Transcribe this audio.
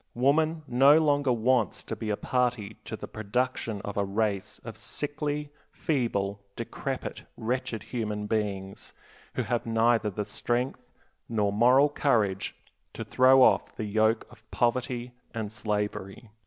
Woman no longer wants to be a party to the production of a race of sickly, feeble, decrepit, wretched human beings, who have neither the strength nor moral courage to throw off the yoke of poverty and slavery.